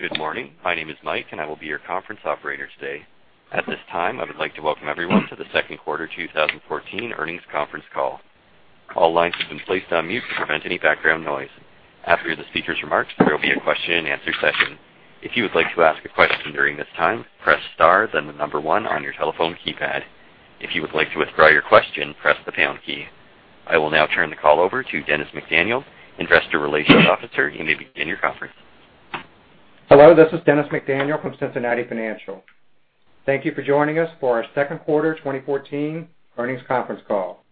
Good morning. My name is Mike and I will be your conference operator today. At this time, I would like to welcome everyone to the second quarter 2014 earnings conference call. All lines have been placed on mute to prevent any background noise. After the speaker's remarks, there will be a question and answer session. If you would like to ask a question during this time, press star 1 on your telephone keypad. If you would like to withdraw your question, press the pound key. I will now turn the call over to Dennis McDaniel, Investor Relations Officer. You may begin your conference. Hello, this is Dennis McDaniel from Cincinnati Financial. Thank you for joining us for our second quarter 2014 earnings conference call.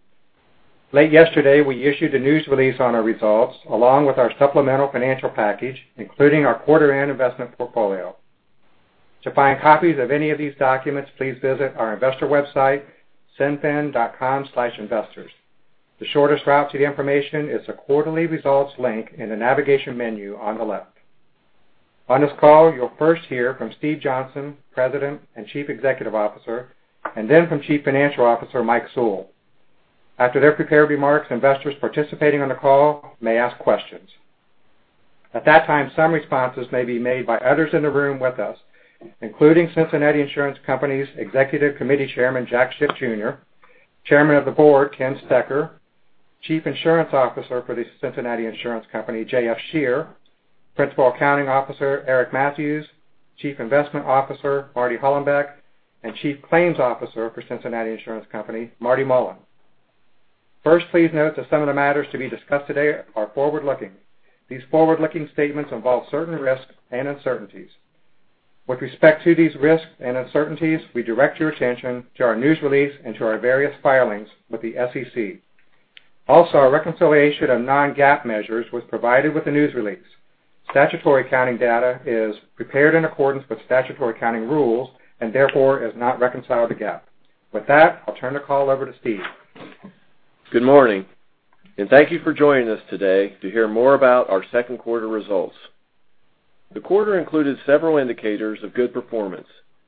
Late yesterday, we issued a news release on our results along with our supplemental financial package, including our quarter end investment portfolio. To find copies of any of these documents, please visit our investor website, cinfin.com/investors. The shortest route to the information is the quarterly results link in the navigation menu on the left. On this call, you'll first hear from Steven J. Johnston, President and Chief Executive Officer, and then from Chief Financial Officer Michael J. Sewell. After their prepared remarks, investors participating on the call may ask questions. At that time, some responses may be made by others in the room with us, including The Cincinnati Insurance Company's Executive Committee Chairman Jack Schiff Jr., Chairman of the Board Ken Stecher, Chief Insurance Officer for The Cincinnati Insurance Company, J.F. Scherer, Principal Accounting Officer Eric Mathews, Chief Investment Officer Marty Hollenbeck, and Chief Claims Officer for The Cincinnati Insurance Company, Marty Mullen. Please note that some of the matters to be discussed today are forward-looking. These forward-looking statements involve certain risks and uncertainties. With respect to these risks and uncertainties, we direct your attention to our news release and to our various filings with the SEC. Our reconciliation of non-GAAP measures was provided with the news release. Statutory accounting data is prepared in accordance with statutory accounting rules and therefore is not reconciled to GAAP. With that, I'll turn the call over to Steve. Good morning. Thank you for joining us today to hear more about our second quarter results. The quarter included several indicators of good performance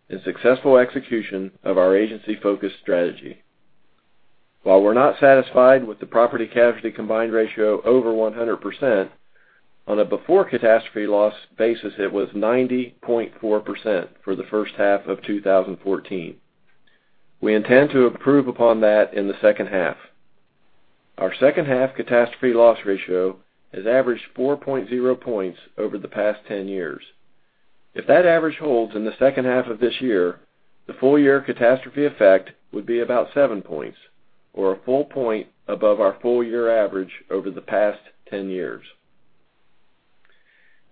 and successful execution of our agency-focused strategy. While we're not satisfied with the property-casualty combined ratio over 100%, on a before catastrophe loss basis, it was 90.4% for the first half of 2014. We intend to improve upon that in the second half. Our second half catastrophe loss ratio has averaged 4.0 points over the past 10 years. If that average holds in the second half of this year, the full year catastrophe effect would be about seven points or a full point above our full year average over the past 10 years.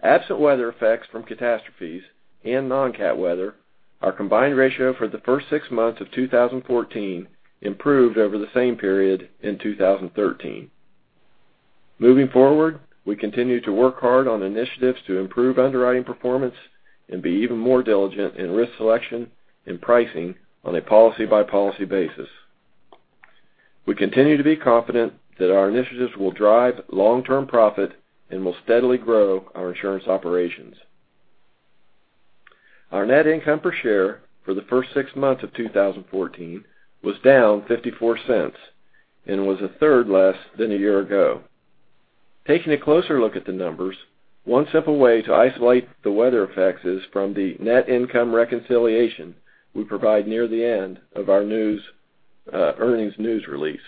Absent weather effects from catastrophes and non-cat weather, our combined ratio for the first six months of 2014 improved over the same period in 2013. Moving forward, we continue to work hard on initiatives to improve underwriting performance and be even more diligent in risk selection and pricing on a policy-by-policy basis. We continue to be confident that our initiatives will drive long-term profit and will steadily grow our insurance operations. Our net income per share for the first six months of 2014 was down $0.54 and was a third less than a year ago. Taking a closer look at the numbers, one simple way to isolate the weather effects is from the net income reconciliation we provide near the end of our earnings news release.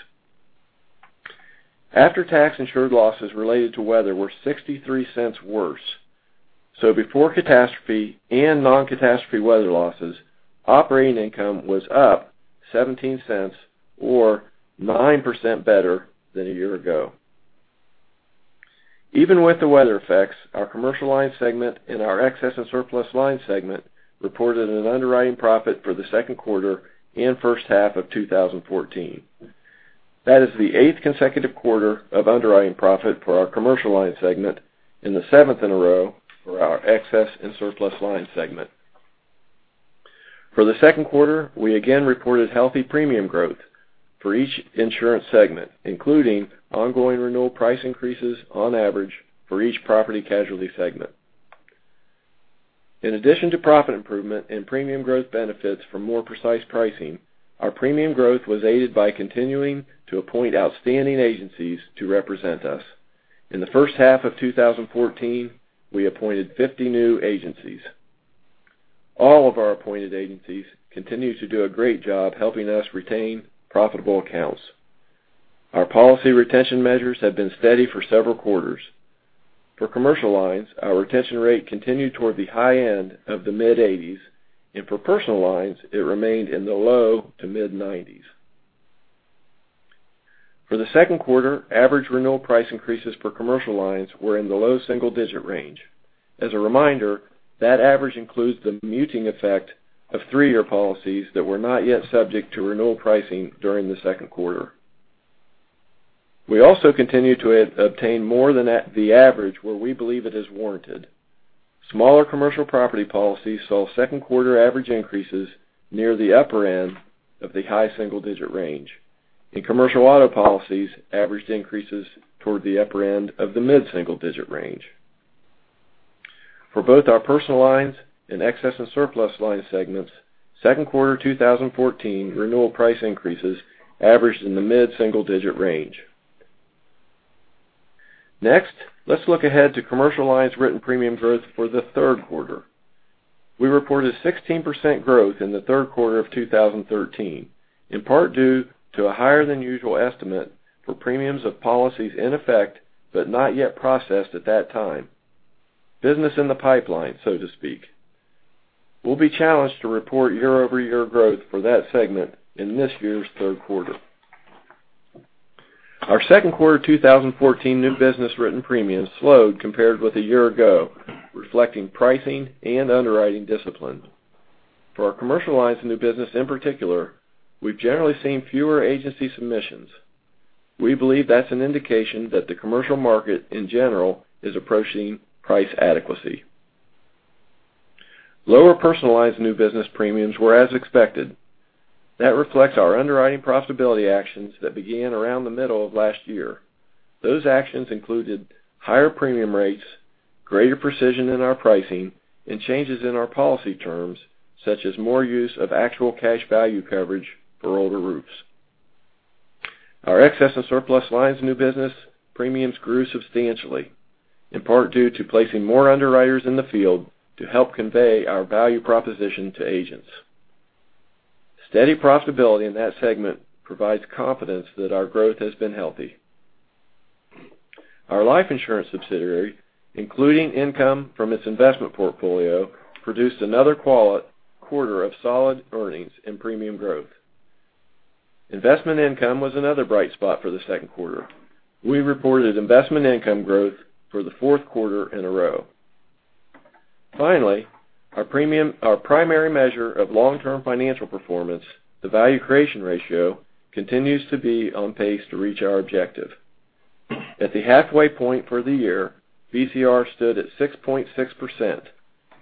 After-tax insured losses related to weather were $0.63 worse. Before catastrophe and non-catastrophe weather losses, operating income was up $0.17 or 9% better than a year ago. Even with the weather effects, our commercial lines segment and our excess and surplus lines segment reported an underwriting profit for the second quarter and first half of 2014. That is the eighth consecutive quarter of underwriting profit for our commercial lines segment and the seventh in a row for our excess and surplus lines segment. For the second quarter, we again reported healthy premium growth for each insurance segment, including ongoing renewal price increases on average for each property-casualty segment. In addition to profit improvement and premium growth benefits from more precise pricing, our premium growth was aided by continuing to appoint outstanding agencies to represent us. In the first half of 2014, we appointed 50 new agencies. All of our appointed agencies continue to do a great job helping us retain profitable accounts. Our policy retention measures have been steady for several quarters. For commercial lines, our retention rate continued toward the high end of the mid-80s, and for personal lines, it remained in the low to mid-90s. For the second quarter, average renewal price increases for commercial lines were in the low double-digit range. As a reminder, that average includes the muting effect of three-year policies that were not yet subject to renewal pricing during the second quarter. We also continue to obtain more than the average where we believe it is warranted. Smaller commercial property policies saw second quarter average increases near the upper end of the high single-digit range, and commercial auto policies averaged increases toward the upper end of the mid-single-digit range. For both our personal lines and excess and surplus lines segments, second quarter 2014 renewal price increases averaged in the mid-single-digit range. Next, let's look ahead to commercial lines written premium growth for the third quarter. We reported 16% growth in the third quarter of 2013, in part due to a higher than usual estimate for premiums of policies in effect, but not yet processed at that time. Business in the pipeline, so to speak. We'll be challenged to report year-over-year growth for that segment in this year's third quarter. Our second quarter 2014 new business written premiums slowed compared with a year ago, reflecting pricing and underwriting discipline. For our commercial lines new business in particular, we've generally seen fewer agency submissions. We believe that's an indication that the commercial market, in general, is approaching price adequacy. Lower personal lines new business premiums were as expected. That reflects our underwriting profitability actions that began around the middle of last year. Those actions included higher premium rates, greater precision in our pricing, and changes in our policy terms, such as more use of actual cash value coverage for older roofs. Our excess and surplus lines new business premiums grew substantially, in part due to placing more underwriters in the field to help convey our value proposition to agents. Steady profitability in that segment provides confidence that our growth has been healthy. Our life insurance subsidiary, including income from its investment portfolio, produced another quarter of solid earnings and premium growth. Investment income was another bright spot for the second quarter. We reported investment income growth for the fourth quarter in a row. Finally, our primary measure of long-term financial performance, the value creation ratio, continues to be on pace to reach our objective. At the halfway point for the year, VCR stood at 6.6%,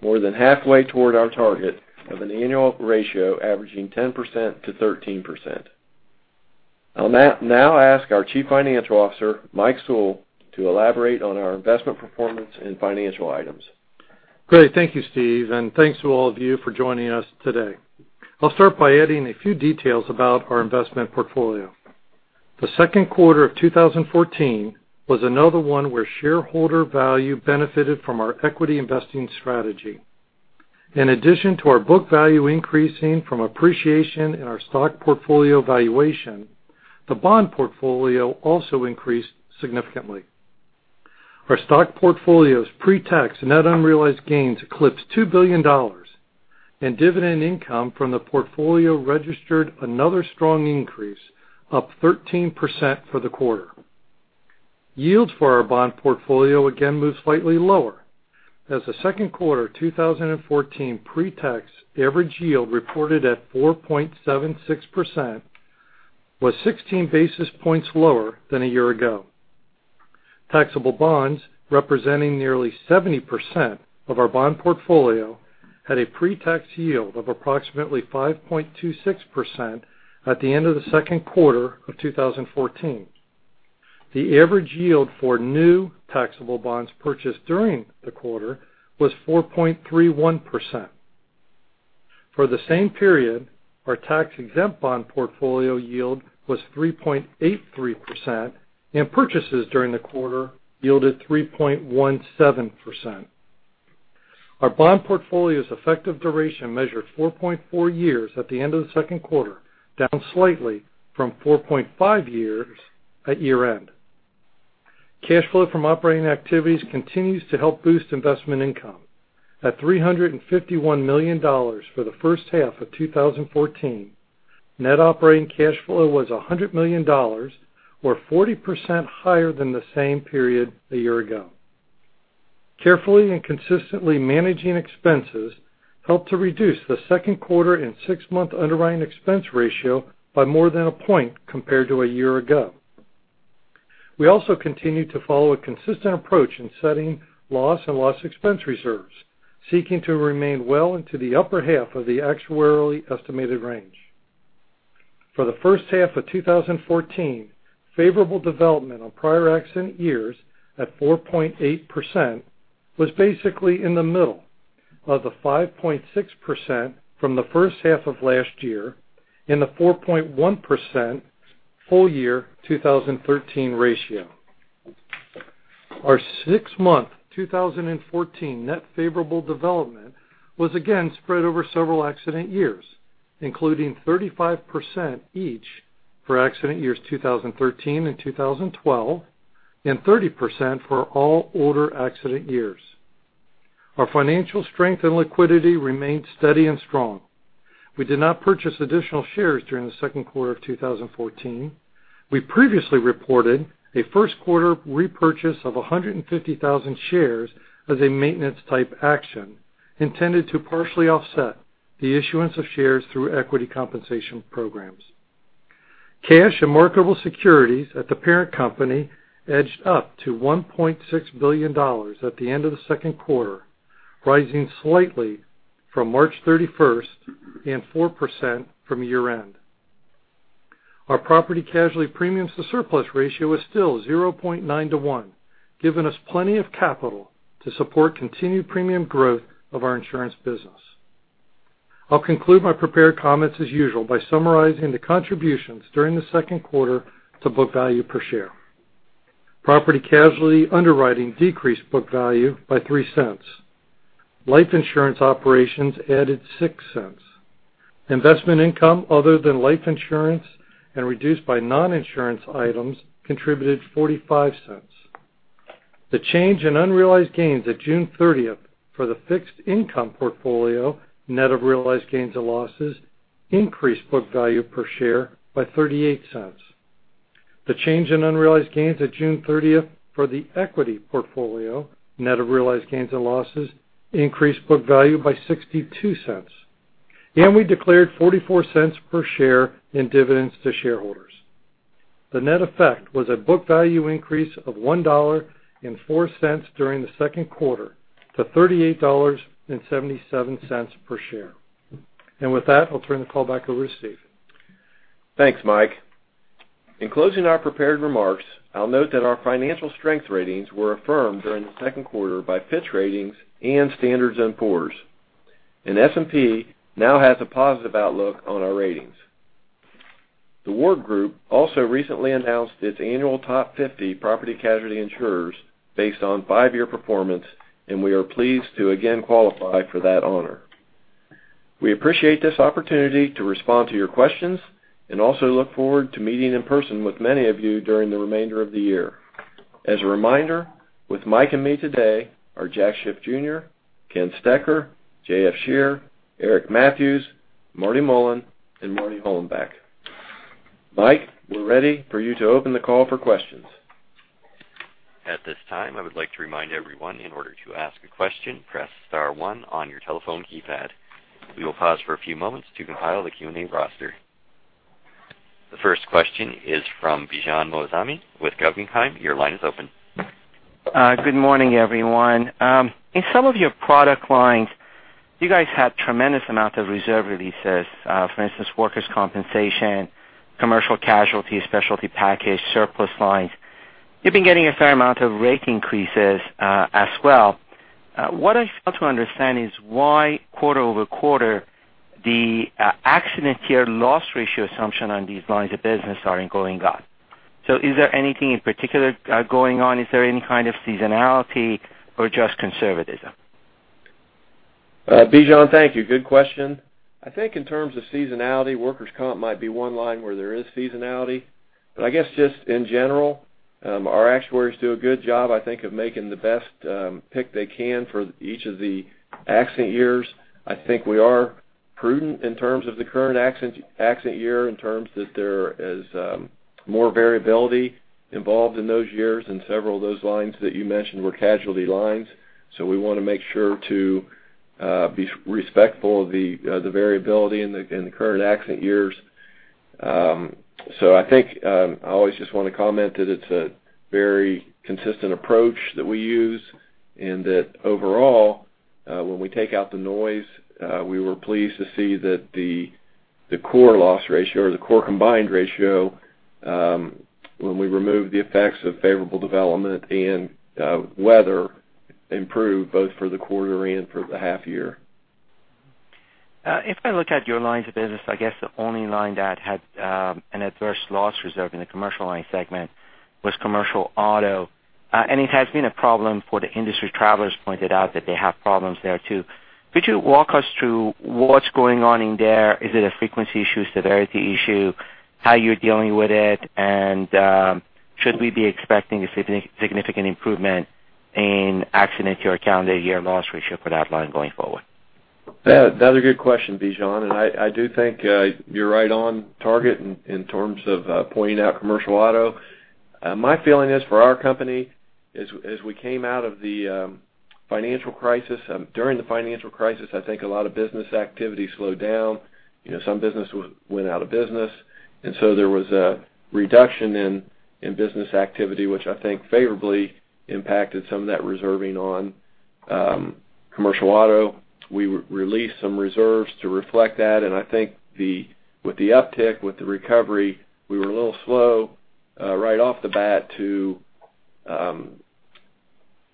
more than halfway toward our target of an annual ratio averaging 10%-13%. I'll now ask our Chief Financial Officer, Mike Sewell, to elaborate on our investment performance and financial items. Great. Thank you, Steve, and thanks to all of you for joining us today. I'll start by adding a few details about our investment portfolio. The second quarter of 2014 was another one where shareholder value benefited from our equity investing strategy. In addition to our book value increasing from appreciation in our stock portfolio valuation, the bond portfolio also increased significantly. Our stock portfolio's pre-tax net unrealized gains eclipsed $2 billion, and dividend income from the portfolio registered another strong increase, up 13% for the quarter. Yields for our bond portfolio again moved slightly lower, as the second quarter 2014 pre-tax average yield reported at 4.76% was 16 basis points lower than a year ago. Taxable bonds, representing nearly 70% of our bond portfolio, had a pre-tax yield of approximately 5.26% at the end of the second quarter of 2014. The average yield for new taxable bonds purchased during the quarter was 4.31%. For the same period, our tax-exempt bond portfolio yield was 3.83%, and purchases during the quarter yielded 3.17%. Our bond portfolio's effective duration measured 4.4 years at the end of the second quarter, down slightly from 4.5 years at year-end. Cash flow from operating activities continues to help boost investment income. At $351 million for the first half of 2014, net operating cash flow was $100 million, or 40% higher than the same period a year ago. Carefully and consistently managing expenses helped to reduce the second quarter and six-month underwriting expense ratio by more than a point compared to a year ago. We also continue to follow a consistent approach in setting loss and loss expense reserves, seeking to remain well into the upper half of the actuarially estimated range. For the first half of 2014, favorable development on prior accident years at 4.8% was basically in the middle of the 5.6% from the first half of last year and the 4.1% full year 2013 ratio. Our six-month 2014 net favorable development was again spread over several accident years, including 35% each for accident years 2013 and 2012, and 30% for all older accident years. Our financial strength and liquidity remained steady and strong. We did not purchase additional shares during the second quarter of 2014. We previously reported a first-quarter repurchase of 150,000 shares as a maintenance type action intended to partially offset the issuance of shares through equity compensation programs. Cash and marketable securities at the parent company edged up to $1.6 billion at the end of the second quarter, rising slightly from March 31st and 4% from year-end. Our property casualty premiums to surplus ratio is still 0.9 to one, giving us plenty of capital to support continued premium growth of our insurance business. I'll conclude my prepared comments as usual by summarizing the contributions during the second quarter to book value per share. Property casualty underwriting decreased book value by $0.03. Life insurance operations added $0.06. Investment income other than life insurance and reduced by non-insurance items contributed $0.45. The change in unrealized gains at June 30th for the fixed income portfolio, net of realized gains and losses, increased book value per share by $0.38. The change in unrealized gains at June 30th for the equity portfolio, net of realized gains and losses, increased book value by $0.62. We declared $0.44 per share in dividends to shareholders. The net effect was a book value increase of $1.04 during the second quarter to $38.77 per share. With that, I'll turn the call back over to Steven. Thanks, Mike. In closing our prepared remarks, I'll note that our financial strength ratings were affirmed during the second quarter by Fitch Ratings and Standard & Poor's. S&P now has a positive outlook on our ratings. The Ward Group also recently announced its annual top 50 property casualty insurers based on five-year performance, and we are pleased to again qualify for that honor. We appreciate this opportunity to respond to your questions and also look forward to meeting in person with many of you during the remainder of the year. As a reminder, with Mike and me today are Jack Schiff Jr., Ken Stecher, J.F. Scherer, Eric Mathews, Marty Mullen, and Marty Hollenbeck. Mike, we're ready for you to open the call for questions. At this time, I would like to remind everyone, in order to ask a question, press *1 on your telephone keypad. We will pause for a few moments to compile the Q&A roster. The first question is from Bijan Moazami with Guggenheim. Your line is open. Good morning, everyone. In some of your product lines, you guys had tremendous amount of reserve releases. For instance, workers' compensation, commercial casualty, specialty package, surplus lines. You've been getting a fair amount of rate increases as well. What I fail to understand is why quarter-over-quarter, the accident year loss ratio assumption on these lines of business are going up. Is there anything in particular going on? Is there any kind of seasonality or just conservatism? Bijan, thank you. Good question. I think in terms of seasonality, workers' comp might be one line where there is seasonality, but I guess just in general, our actuaries do a good job, I think, of making the best pick they can for each of the accident years. I think we are prudent in terms of the current accident year in terms that there is more variability involved in those years, and several of those lines that you mentioned were casualty lines. We want to make sure to be respectful of the variability in the current accident years. I think I always just want to comment that it's a very consistent approach that we use, and that overall, when we take out the noise, we were pleased to see that the core loss ratio or the core combined ratio, when we remove the effects of favorable development and weather, improved both for the quarter and for the half year. If I look at your lines of business, I guess the only line that had an adverse loss reserve in the commercial line segment was commercial auto. It has been a problem for the industry. Travelers pointed out that they have problems there, too. Could you walk us through what's going on in there? Is it a frequency issue, severity issue, how you're dealing with it, and should we be expecting a significant improvement in accident year or calendar year loss ratio for that line going forward? That's a good question, Bijan. I do think you're right on target in terms of pointing out commercial auto. My feeling is for our company, as we came out of the financial crisis, during the financial crisis, I think a lot of business activity slowed down. Some business went out of business. There was a reduction in business activity, which I think favorably impacted some of that reserving on commercial auto. We released some reserves to reflect that. I think with the uptick, with the recovery, we were a little slow right off the bat to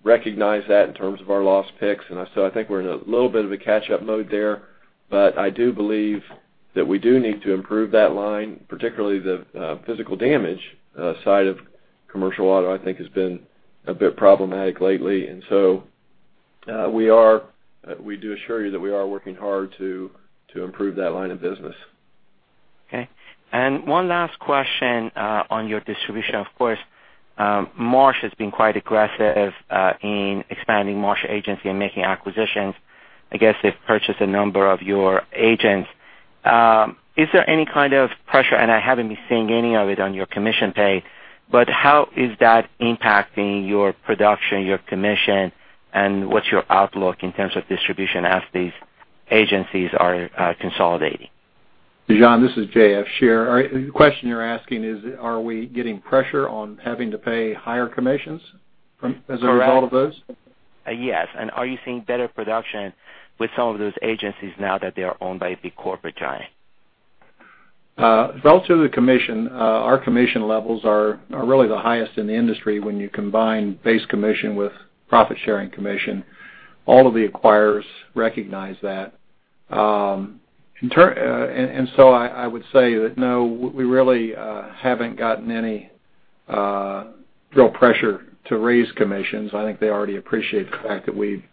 recognize that in terms of our loss picks. I think we're in a little bit of a catch-up mode there. I do believe that we do need to improve that line, particularly the physical damage side of commercial auto, I think, has been a bit problematic lately. We do assure you that we are working hard to improve that line of business. Okay. One last question on your distribution. Of course, Marsh has been quite aggressive in expanding Marsh agency and making acquisitions. I guess they've purchased a number of your agents. Is there any kind of pressure, and I haven't been seeing any of it on your commission pay, but how is that impacting your production, your commission, and what's your outlook in terms of distribution as these agencies are consolidating? Bijan, this is J.F. Scherer. The question you're asking is, are we getting pressure on having to pay higher commissions as a result of those? Correct. Yes. Are you seeing better production with some of those agencies now that they are owned by a big corporate giant? Relative to the commission, our commission levels are really the highest in the industry when you combine base commission with profit-sharing commission. All of the acquirers recognize that. I would say that, no, we really haven't gotten any real pressure to raise commissions. I think they already appreciate the fact that we're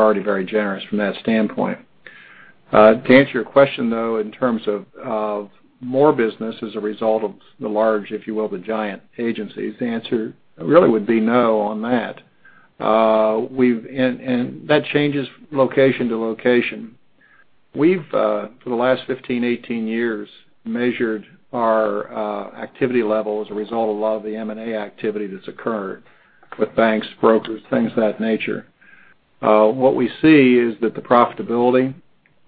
already very generous from that standpoint. To answer your question, though, in terms of more business as a result of the large, if you will, the giant agencies, the answer really would be no on that. That changes location to location. We've, for the last 15, 18 years, measured our activity level as a result of a lot of the M&A activity that's occurred with banks, brokers, things of that nature. What we see is that the profitability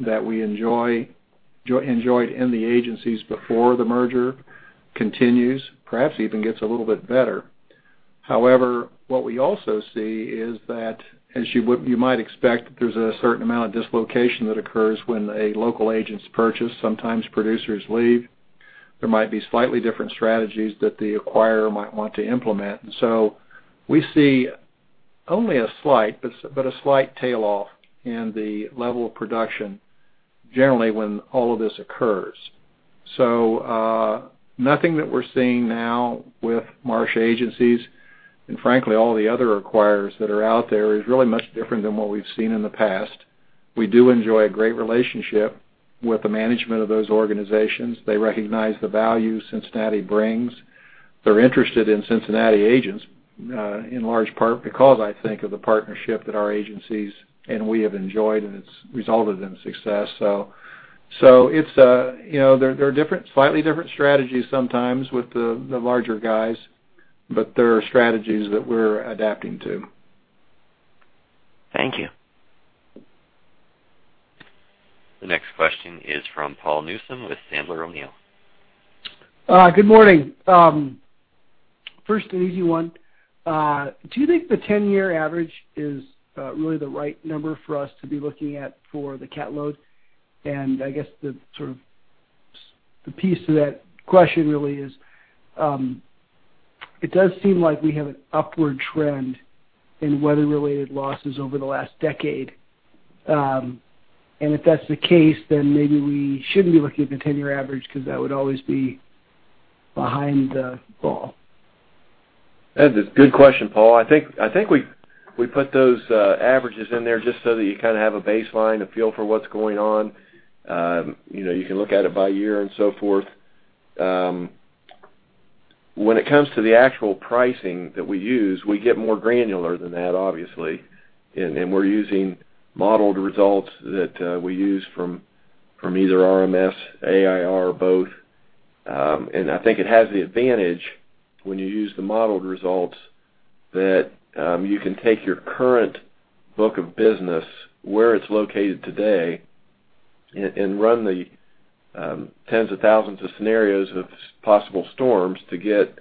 that we enjoyed in the agencies before the merger continues, perhaps even gets a little bit better. However, what we also see is that as you might expect, there's a certain amount of dislocation that occurs when a local agent's purchased. Sometimes producers leave. There might be slightly different strategies that the acquirer might want to implement. We see only a slight, but a slight tail-off in the level of production generally when all of this occurs. Nothing that we're seeing now with Marsh agencies and frankly, all the other acquirers that are out there is really much different than what we've seen in the past. We do enjoy a great relationship with the management of those organizations. They recognize the value Cincinnati brings. They're interested in Cincinnati agents, in large part because I think of the partnership that our agencies and we have enjoyed, and it's resulted in success. There are slightly different strategies sometimes with the larger guys, but there are strategies that we're adapting to. Thank you. The next question is from Paul Newsome with Sandler O'Neill. Good morning. First, an easy one. Do you think the 10-year average is really the right number for us to be looking at for the cat load? I guess the piece to that question really is, it does seem like we have an upward trend in weather-related losses over the last decade. If that's the case, then maybe we shouldn't be looking at the 10-year average because that would always be behind the ball. That's a good question, Paul. I think we put those averages in there just so that you kind of have a baseline, a feel for what's going on. You can look at it by year and so forth. When it comes to the actual pricing that we use, we get more granular than that, obviously, and we're using modeled results that we use from either RMS, AIR, or both. I think it has the advantage when you use the modeled results that you can take your current book of business where it's located today and run the tens of thousands of scenarios of possible storms to get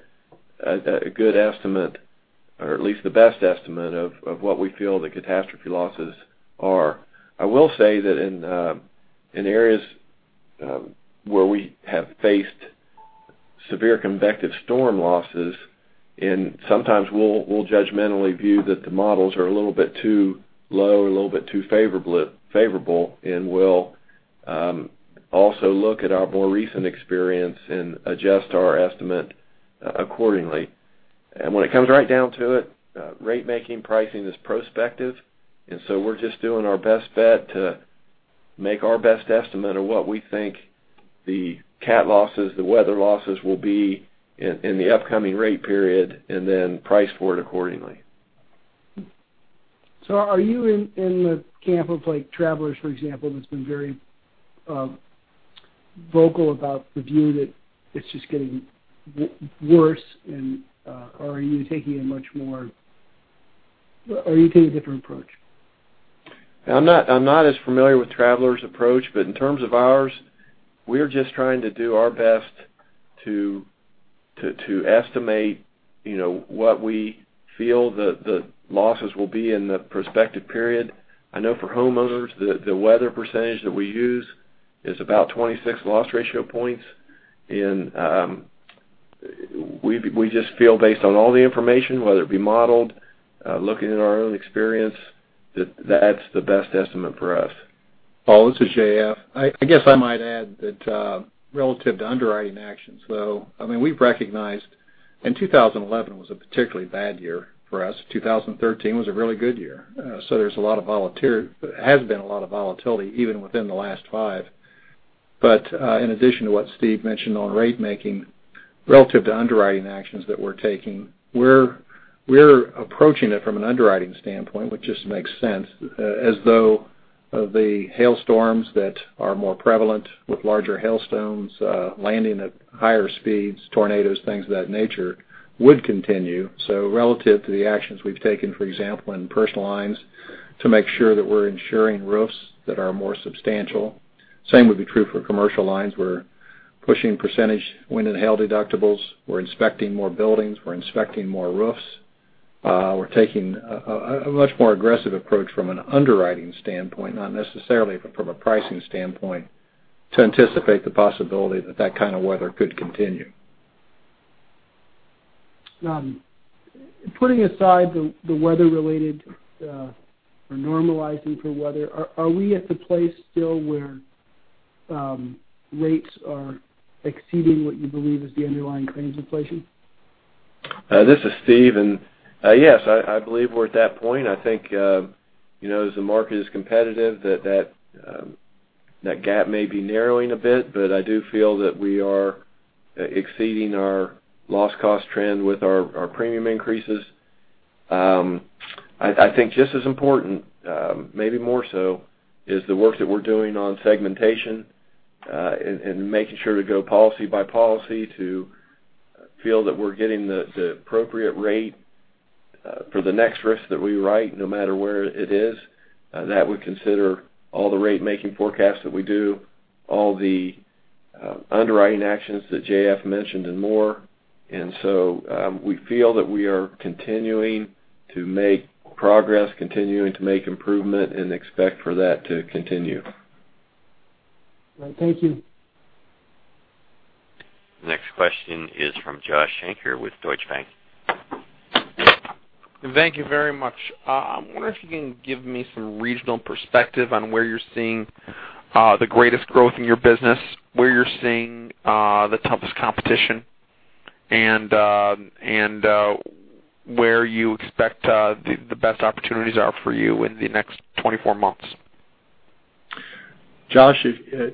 a good estimate, or at least the best estimate of what we feel the catastrophe losses are. I will say that in areas where we have faced severe convective storm losses, and sometimes we'll judgmentally view that the models are a little bit too low or a little bit too favorable, and we'll also look at our more recent experience and adjust our estimate accordingly. When it comes right down to it, rate making pricing is prospective, and so we're just doing our best bet to make our best estimate of what we think the cat losses, the weather losses will be in the upcoming rate period and then price for it accordingly. Are you in the camp of Travelers, for example, that's been very vocal about the view that it's just getting worse? Or are you taking a different approach? I'm not as familiar with Travelers approach, but in terms of ours, we're just trying to do our best to estimate what we feel the losses will be in the prospective period. I know for homeowners, the weather percentage that we use is about 26 loss ratio points, and we just feel based on all the information, whether it be modeled, looking at our own experience, that that's the best estimate for us. Paul, this is J.F. I guess I might add that relative to underwriting actions, though, we've recognized in 2011 was a particularly bad year for us. 2013 was a really good year. There's been a lot of volatility even within the last five. In addition to what Steve mentioned on rate making relative to underwriting actions that we're taking, we're approaching it from an underwriting standpoint, which just makes sense as though the hailstorms that are more prevalent with larger hailstones landing at higher speeds, tornadoes, things of that nature would continue. Relative to the actions we've taken, for example, in personal lines to make sure that we're insuring roofs that are more substantial. Same would be true for commercial lines. We're pushing percentage wind and hail deductibles. We're inspecting more buildings. We're inspecting more roofs. We're taking a much more aggressive approach from an underwriting standpoint, not necessarily from a pricing standpoint, to anticipate the possibility that that kind of weather could continue. Putting aside the weather related or normalizing for weather, are we at the place still where rates are exceeding what you believe is the underlying claims inflation? This is Steve. Yes, I believe we're at that point. I think as the market is competitive that gap may be narrowing a bit, but I do feel that we are exceeding our loss cost trend with our premium increases. I think just as important, maybe more so, is the work that we're doing on segmentation, and making sure to go policy by policy to feel that we're getting the appropriate rate for the next risk that we write, no matter where it is. That would consider all the rate-making forecasts that we do, all the underwriting actions that J.F. mentioned and more. We feel that we are continuing to make progress, continuing to make improvement, and expect for that to continue. Right. Thank you. Next question is from Joshua Shanker with Deutsche Bank. Thank you very much. I wonder if you can give me some regional perspective on where you're seeing the greatest growth in your business, where you're seeing the toughest competition, and where you expect the best opportunities are for you in the next 24 months. Josh,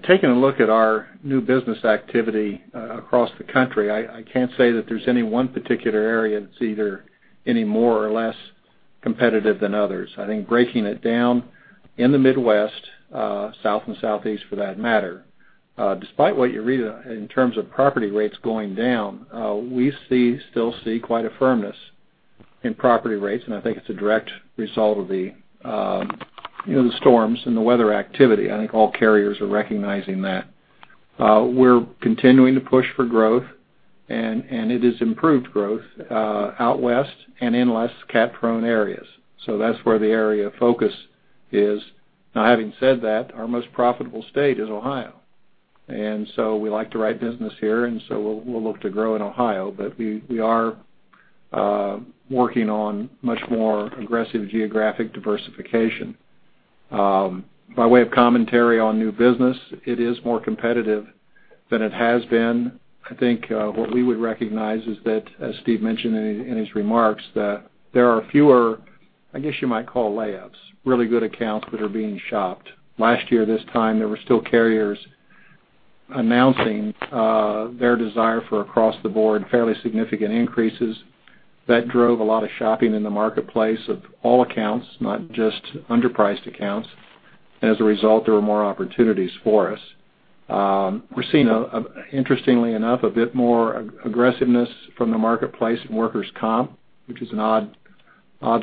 taking a look at our new business activity across the country, I can't say that there's any one particular area that's either any more or less competitive than others. I think breaking it down in the Midwest, South, and Southeast for that matter, despite what you read in terms of property rates going down, we still see quite a firmness in property rates, and I think it's a direct result of the storms and the weather activity. I think all carriers are recognizing that. We're continuing to push for growth, and it is improved growth out West and in less cat-prone areas. That's where the area of focus is. Now, having said that, our most profitable state is Ohio. We like to write business here, and so we'll look to grow in Ohio, but we are working on much more aggressive geographic diversification. By way of commentary on new business, it is more competitive than it has been. I think what we would recognize is that, as Steve mentioned in his remarks, there are fewer, I guess you might call layouts, really good accounts that are being shopped. Last year this time, there were still carriers announcing their desire for across the board, fairly significant increases. That drove a lot of shopping in the marketplace of all accounts, not just underpriced accounts. As a result, there were more opportunities for us. We're seeing, interestingly enough, a bit more aggressiveness from the marketplace in workers' comp, which is an odd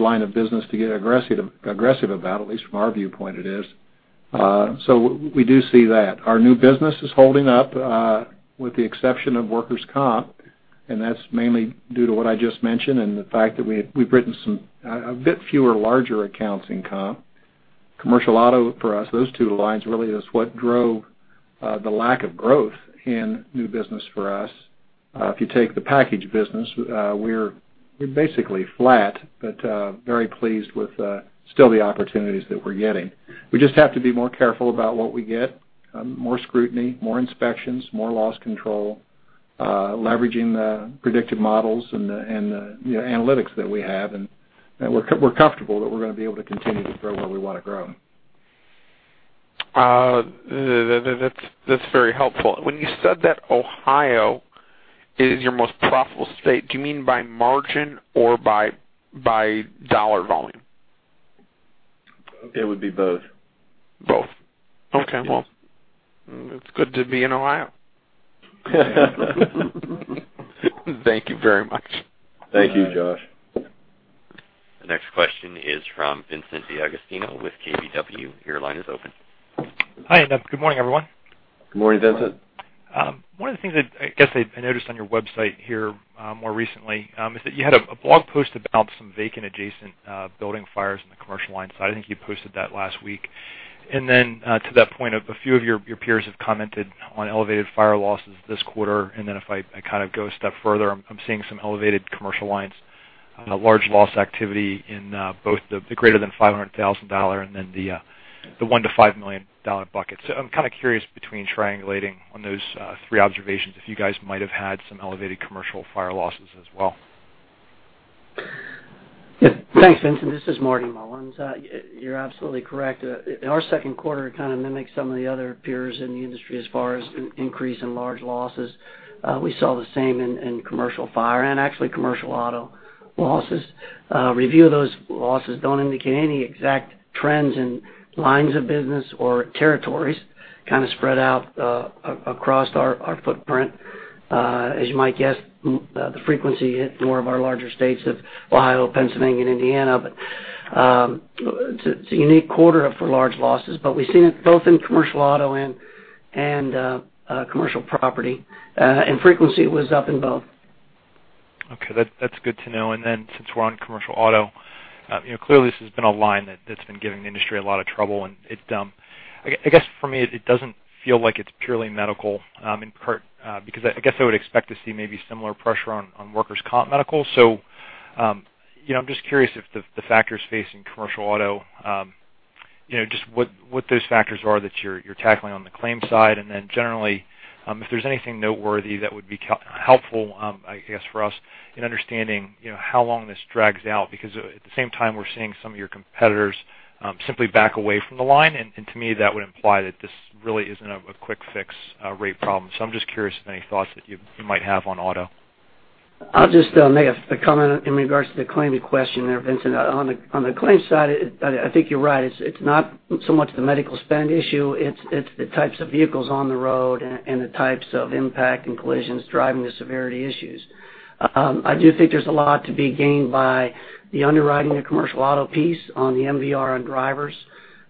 line of business to get aggressive about, at least from our viewpoint it is. We do see that. Our new business is holding up, with the exception of workers' comp, that's mainly due to what I just mentioned and the fact that we've written a bit fewer larger accounts in comp. Commercial auto for us, those two lines really is what drove the lack of growth in new business for us. If you take the package business, we're basically flat, very pleased with still the opportunities that we're getting. We just have to be more careful about what we get, more scrutiny, more inspections, more loss control, leveraging the predictive models and the analytics that we have, we're comfortable that we're going to be able to continue to grow where we want to grow. That's very helpful. When you said that Ohio is your most profitable state, do you mean by margin or by dollar volume? It would be both. Both. Yes. Okay. Well, it's good to be in Ohio. Thank you very much. Thank you, Josh. The next question is from Vincent D'Agostino with KBW. Your line is open. Hi, good morning, everyone. Good morning, Vincent. One of the things I guess I noticed on your website here more recently is that you had a blog post about some vacant adjacent building fires in the commercial line side. I think you posted that last week. To that point, a few of your peers have commented on elevated fire losses this quarter. If I kind of go a step further, I'm seeing some elevated commercial lines, large loss activity in both the greater than $500,000 and then the $1 million-$5 million buckets. I'm kind of curious between triangulating on those three observations, if you guys might have had some elevated commercial fire losses as well. Yeah. Thanks, Vincent. This is Marty Mullen. You're absolutely correct. Our second quarter kind of mimics some of the other peers in the industry as far as increase in large losses. We saw the same in commercial fire and actually commercial auto losses. A review of those losses don't indicate any exact trends in lines of business or territories, kind of spread out across our footprint. As you might guess, the frequency hit more of our larger states of Ohio, Pennsylvania, and Indiana. It's a unique quarter for large losses, but we've seen it both in commercial auto and Commercial property. Frequency was up in both. Okay. That's good to know. Since we're on commercial auto, clearly this has been a line that's been giving the industry a lot of trouble, and I guess for me, it doesn't feel like it's purely medical in part, because I guess I would expect to see maybe similar pressure on workers' comp medical. I'm just curious if the factors facing commercial auto, just what those factors are that you're tackling on the claims side. Generally, if there's anything noteworthy that would be helpful, I guess, for us in understanding how long this drags out, because at the same time, we're seeing some of your competitors simply back away from the line. To me, that would imply that this really isn't a quick fix rate problem. I'm just curious if any thoughts that you might have on auto. I'll just make a comment in regards to the claiming question there, Vincent. On the claims side, I think you're right. It's not so much the medical spend issue, it's the types of vehicles on the road and the types of impact and collisions driving the severity issues. I do think there's a lot to be gained by the underwriting the commercial auto piece on the MVR on drivers,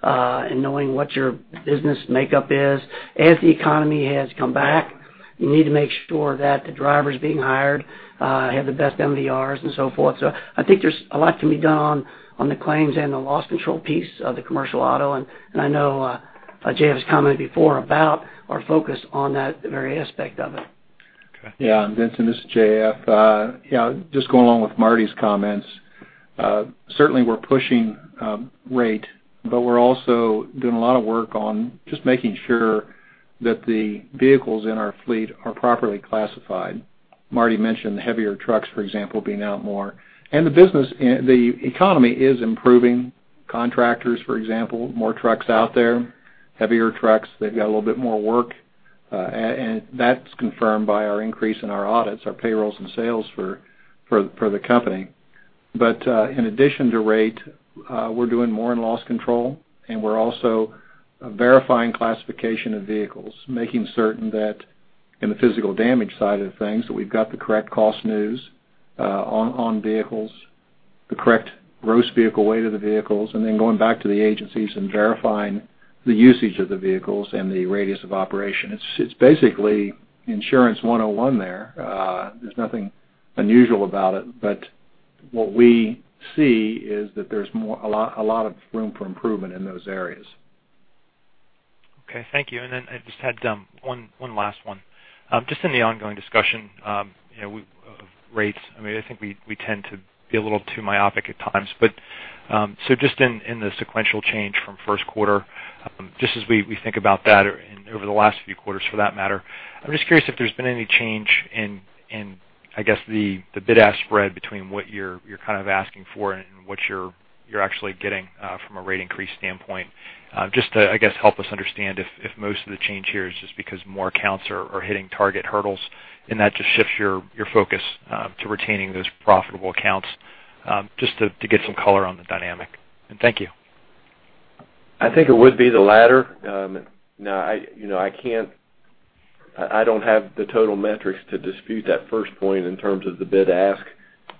and knowing what your business makeup is. As the economy has come back, you need to make sure that the drivers being hired have the best MVRs and so forth. I think there's a lot to be done on the claims and the loss control piece of the commercial auto, and I know J.F. has commented before about our focus on that very aspect of it. Okay. Yeah. Vincent, this is J.F. Just going along with Marty's comments. Certainly, we're pushing rate, but we're also doing a lot of work on just making sure that the vehicles in our fleet are properly classified. Marty mentioned the heavier trucks, for example, being out more. The economy is improving. Contractors, for example, more trucks out there, heavier trucks, they've got a little bit more work. That's confirmed by our increase in our audits, our payrolls and sales for the company. In addition to rate, we're doing more in loss control, and we're also verifying classification of vehicles. Making certain that in the physical damage side of things, that we've got the correct cost new on vehicles, the correct gross vehicle weight of the vehicles, and then going back to the agencies and verifying the usage of the vehicles and the radius of operation. It's basically Insurance 101 there. There's nothing unusual about it. What we see is that there's a lot of room for improvement in those areas. Okay, thank you. I just had one last one. Just in the ongoing discussion of rates, I think we tend to be a little too myopic at times. Just in the sequential change from first quarter, just as we think about that over the last few quarters for that matter, I'm just curious if there's been any change in the bid-ask spread between what you're kind of asking for and what you're actually getting from a rate increase standpoint. Just to help us understand if most of the change here is just because more accounts are hitting target hurdles, and that just shifts your focus to retaining those profitable accounts, just to get some color on the dynamic. Thank you. I think it would be the latter. I don't have the total metrics to dispute that first point in terms of the bid-ask,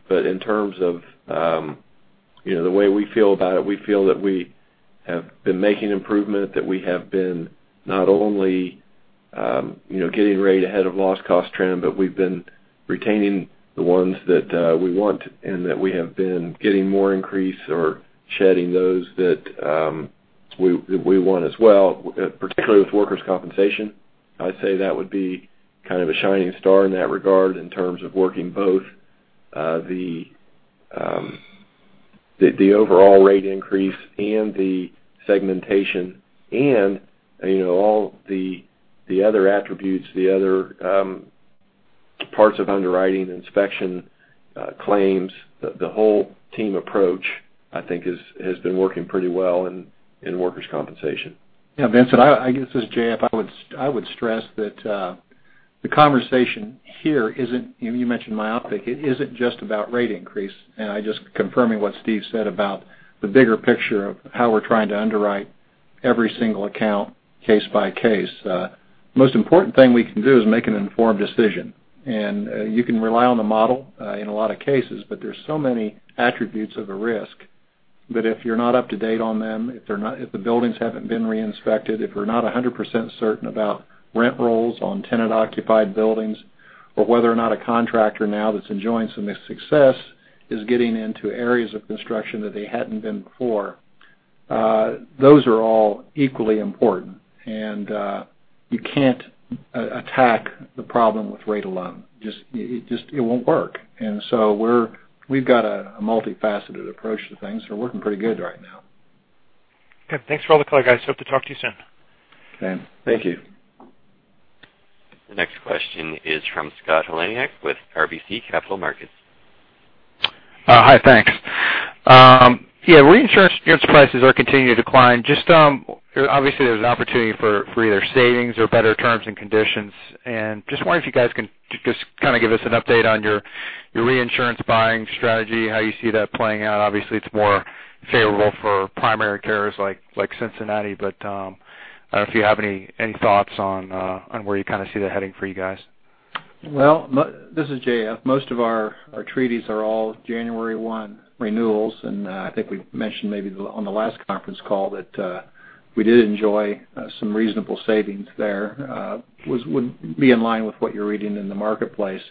but in terms of the way we feel about it, we feel that we have been making improvement, that we have been not only getting rate ahead of loss cost trend, but we've been retaining the ones that we want and that we have been getting more increase or shedding those that we want as well, particularly with workers' compensation. I'd say that would be kind of a shining star in that regard in terms of working both the overall rate increase and the segmentation and all the other attributes, the other parts of underwriting, inspection, claims. The whole team approach, I think, has been working pretty well in workers' compensation. Vincent, this is J.F. I would stress that the conversation here isn't, you mentioned myopic, it isn't just about rate increase. I just confirming what Steve said about the bigger picture of how we're trying to underwrite every single account case by case. Most important thing we can do is make an informed decision. You can rely on the model in a lot of cases, but there's so many attributes of a risk that if you're not up to date on them, if the buildings haven't been reinspected, if we're not 100% certain about rent rolls on tenant-occupied buildings or whether or not a contractor now that's enjoying some success is getting into areas of construction that they hadn't been before, those are all equally important, and you can't attack the problem with rate alone. It won't work. We've got a multifaceted approach to things. We're working pretty good right now. Good. Thanks for all the color, guys. Hope to talk to you soon. Okay. Thank you. The next question is from Scott Heleniak with RBC Capital Markets. Hi, thanks. Yeah, reinsurance prices are continuing to decline. Obviously there's an opportunity for either savings or better terms and conditions. Just wondering if you guys can just kind of give us an update on your reinsurance buying strategy, how you see that playing out. Obviously, it's more favorable for primary carriers like Cincinnati. If you have any thoughts on where you kind of see that heading for you guys. Well, this is J.F. Most of our treaties are all January 1 renewals. I think we mentioned maybe on the last conference call that we did enjoy some reasonable savings there. Would be in line with what you're reading in the marketplace.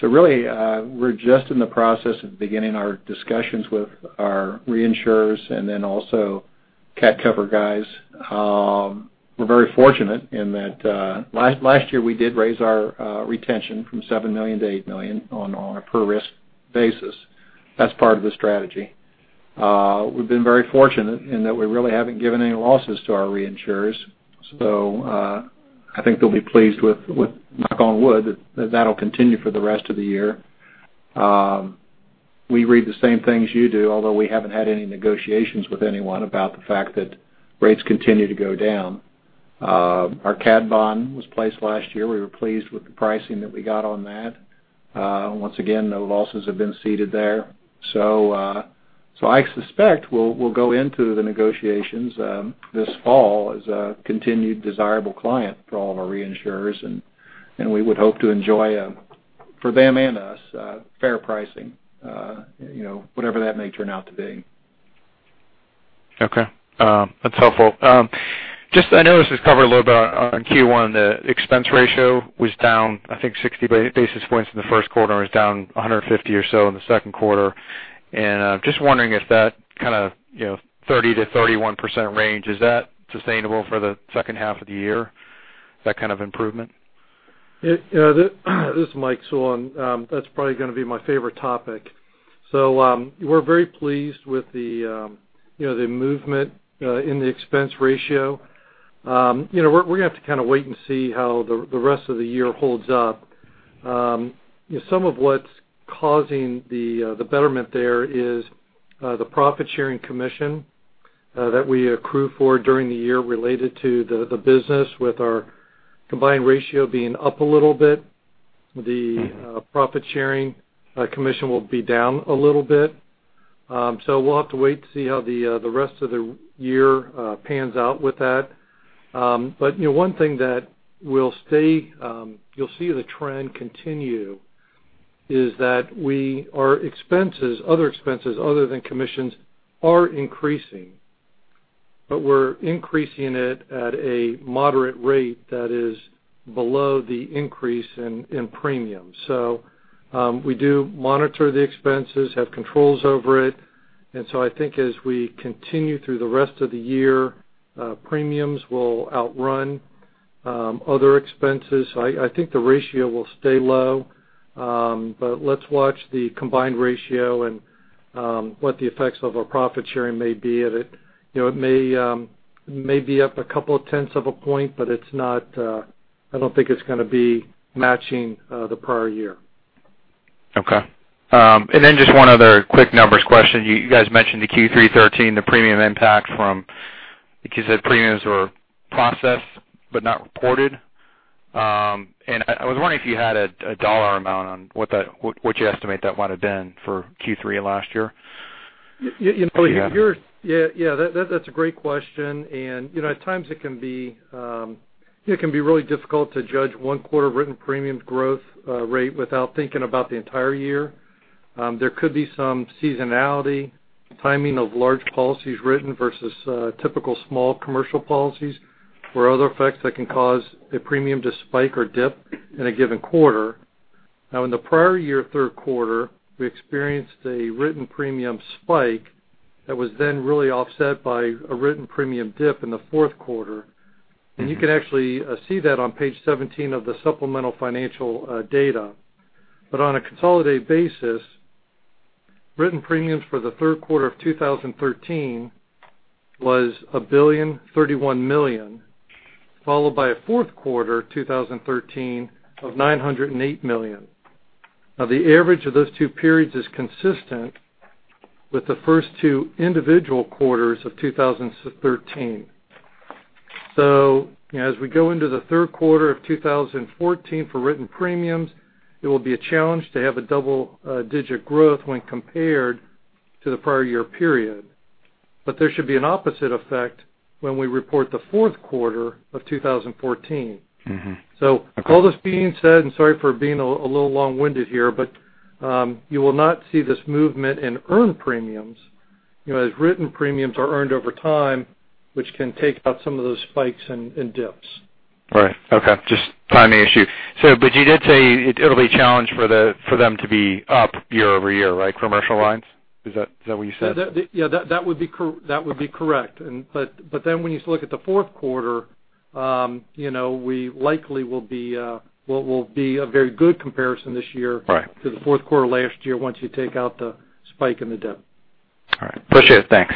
Really, we're just in the process of beginning our discussions with our reinsurers and then also cat cover guys. We're very fortunate in that last year we did raise our retention from seven million to eight million on a per-risk basis. That's part of the strategy. We've been very fortunate in that we really haven't given any losses to our reinsurers. I think they'll be pleased with, knock on wood, that'll continue for the rest of the year. We read the same things you do, although we haven't had any negotiations with anyone about the fact that rates continue to go down. Our cat bond was placed last year. We were pleased with the pricing that we got on that. Once again, no losses have been ceded there. I suspect we'll go into the negotiations this fall as a continued desirable client for all of our reinsurers. We would hope to enjoy, for them and us, fair pricing, whatever that may turn out to be. Okay. That's helpful. I noticed this was covered a little bit on Q1, the expense ratio was down, I think, 60 basis points in the first quarter and was down 150 or so in the second quarter. Just wondering if that kind of 30%-31% range, is that sustainable for the second half of the year, that kind of improvement? This is Mike Sewell. That's probably going to be my favorite topic. We're very pleased with the movement in the expense ratio. We're going to have to kind of wait and see how the rest of the year holds up. Some of what's causing the betterment there is the profit-sharing commission that we accrue for during the year related to the business with our combined ratio being up a little bit. The profit-sharing commission will be down a little bit. We'll have to wait to see how the rest of the year pans out with that. One thing that you'll see the trend continue is that our other expenses, other than commissions, are increasing, but we're increasing it at a moderate rate that is below the increase in premium. We do monitor the expenses, have controls over it, and so I think as we continue through the rest of the year, premiums will outrun other expenses. I think the ratio will stay low, but let's watch the combined ratio and what the effects of our profit sharing may be of it. It may be up a couple of tenths of a point, but I don't think it's going to be matching the prior year. Okay. Just one other quick numbers question. You guys mentioned the Q3 2013, the premium impact from because the premiums were processed but not reported. I was wondering if you had a dollar amount on what you estimate that might have been for Q3 of last year. Yeah. That's a great question, at times it can be really difficult to judge one quarter of written premium growth rate without thinking about the entire year. There could be some seasonality, timing of large policies written versus typical small commercial policies or other effects that can cause a premium to spike or dip in a given quarter. In the prior year, third quarter, we experienced a written premium spike that was then really offset by a written premium dip in the fourth quarter, and you can actually see that on page 17 of the supplemental financial data. On a consolidated basis, written premiums for the third quarter of 2013 was $1,031 million, followed by a fourth quarter 2013 of $908 million. The average of those two periods is consistent with the first two individual quarters of 2013. As we go into the third quarter of 2014 for written premiums, it will be a challenge to have a double-digit growth when compared to the prior year period. There should be an opposite effect when we report the fourth quarter of 2014. Mm-hmm. Okay. All this being said, and sorry for being a little long-winded here, you will not see this movement in earned premiums, as written premiums are earned over time, which can take out some of those spikes and dips. Right. Okay. Just timing issue. You did say it'll be a challenge for them to be up year-over-year, right? Commercial lines? Is that what you said? Yeah, that would be correct. When you look at the fourth quarter, we likely will be a very good comparison this year. Right to the fourth quarter last year once you take out the spike and the dip. All right. Appreciate it. Thanks.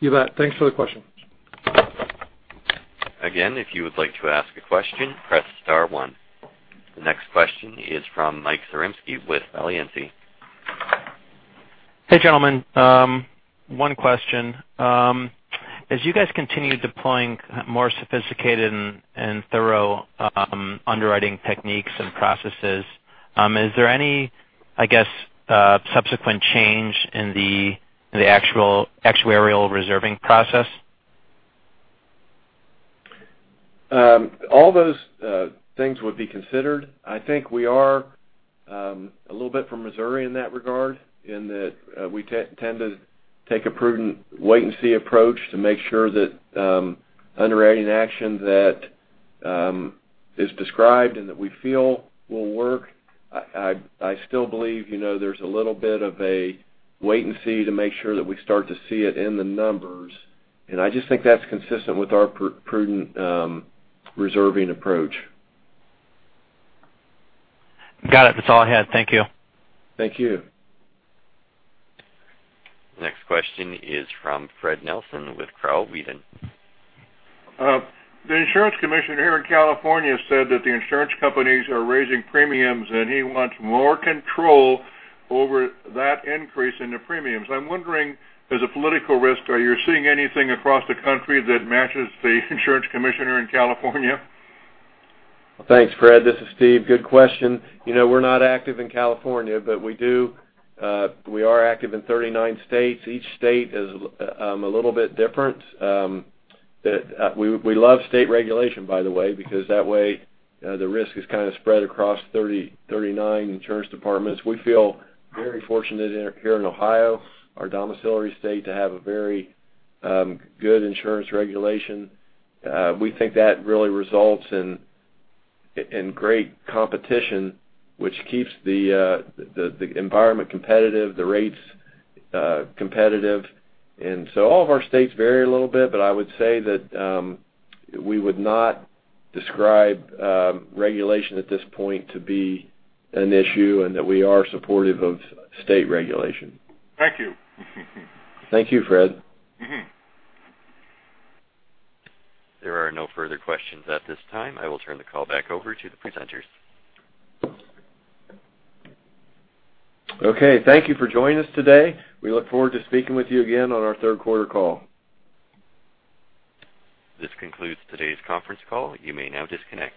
You bet. Thanks for the question. Again, if you would like to ask a question, press star one. The next question is from Michael Zaremski with Balyasny. Hey, gentlemen. One question. As you guys continue deploying more sophisticated and thorough underwriting techniques and processes, is there any, I guess, subsequent change in the actuarial reserving process? All those things would be considered. I think we are a little bit from Missouri in that regard, in that we tend to take a prudent wait-and-see approach to make sure that underwriting action that is described and that we feel will work. I still believe there's a little bit of a wait-and-see to make sure that we start to see it in the numbers. I just think that's consistent with our prudent reserving approach. Got it. That's all I had. Thank you. Thank you. Next question is from Fred Nelson with Crowell, Weedon & Co. The insurance commissioner here in California said that the insurance companies are raising premiums. He wants more control over that increase in the premiums. I'm wondering, as a political risk, are you seeing anything across the country that matches the insurance commissioner in California? Thanks, Fred. This is Steve. Good question. We're not active in California, but we are active in 39 states. Each state is a little bit different. We love state regulation, by the way, because that way, the risk is kind of spread across 39 insurance departments. We feel very fortunate here in Ohio, our domiciliary state, to have a very good insurance regulation. We think that really results in great competition, which keeps the environment competitive, the rates competitive. All of our states vary a little bit, but I would say that we would not describe regulation at this point to be an issue and that we are supportive of state regulation. Thank you. Thank you, Fred. There are no further questions at this time. I will turn the call back over to the presenters. Okay. Thank you for joining us today. We look forward to speaking with you again on our third quarter call. This concludes today's conference call. You may now disconnect.